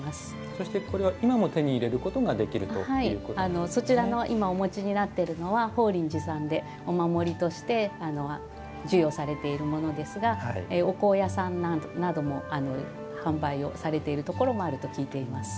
そして、今も手に入れることが今お持ちになっているのは法輪寺さんで、お守りとして授与されているものですがお香屋さんなども販売されているところもあると聞いています。